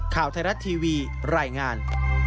ข่าวไทยรัฐทีวีรายงาน